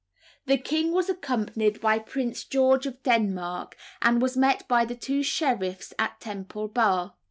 The king was accompanied by Prince George of Denmark, and was met by the two sheriffs at Temple Bar.